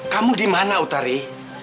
kamu di mana utari